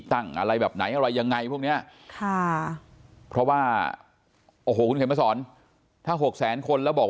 ตั้งอะไรแบบไหนอะไรยังไงพวกนี้ค่ะเพราะว่าถ้า๖๐๐คนแล้วบอก